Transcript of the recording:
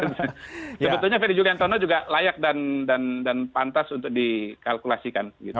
sebetulnya ferry juliantono juga layak dan pantas untuk dikalkulasikan